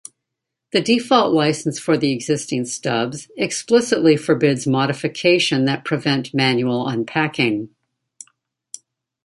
The default license for the existing stubs explicitly forbids modification that prevent manual unpacking.